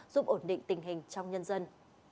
giúp ổn định tình hình trong nhân dân